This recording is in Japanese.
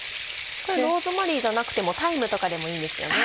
ローズマリーじゃなくてもタイムとかでもいいんですよね？